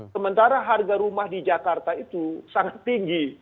sementara harga rumah di jakarta itu sangat tinggi